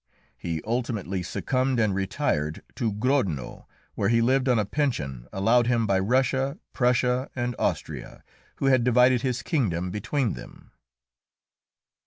He ultimately succumbed and retired to Grodno, where he lived on a pension allowed him by Russia, Prussia and Austria, who had divided his kingdom between them.